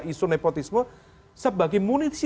isu nepotisme sebagai munisi